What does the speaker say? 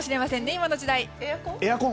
今の時代。